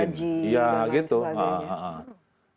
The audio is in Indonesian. gaji dan lain sebagainya